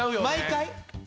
毎回？